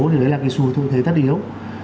thì đấy là cái sự thu thế tất yếu